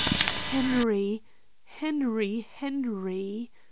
"Henry! Henry! Henry!"